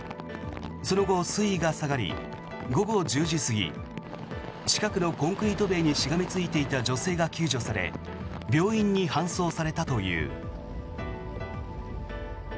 その後、水位が下がり午後１０時過ぎ近くのコンクリート塀にしがみついた女性が救助され病院に搬送されたという。